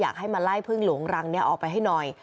ให้มาไล่พึ่งหลวงรังนี้ออกไปให้หน่อย